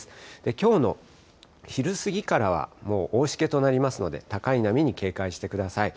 きょうの昼過ぎからは、もう大しけとなりますので、高い波に警戒してください。